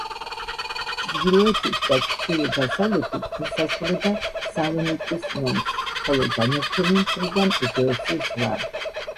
ჩრდილოეთით და ჩრდილო-დასავლეთით ესაზღვრება სალონიკის ნომს, ხოლო დანარჩენი მხრიდან ეგეოსის ზღვა.